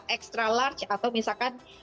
ekstra large atau misalkan